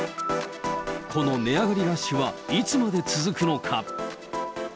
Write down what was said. この値上がりラッシュはいつまで続くのか。